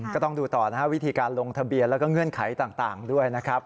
ก็ต้องดูต่อนะครับวิธีการลงทะเบียนแล้วก็เงื่อนไขต่างด้วยนะครับ